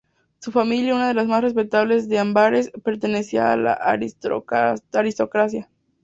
Su familia una las más respetables de Amberes, pertenecía a la aristocracia.